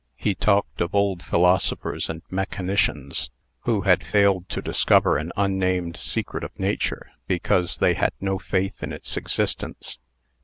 He talked of old philosophers and mechanicians, who had failed to discover an unnamed secret of Nature, because they had no faith in its existence.